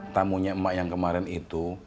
tamunya emak yang kemarin itu